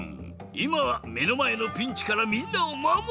いまはめのまえのピンチからみんなをまもる！